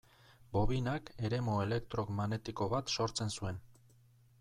Bobinak eremu elektromagnetiko bat sortzen zuen.